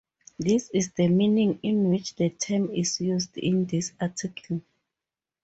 This is the meaning in which the term is used in this article.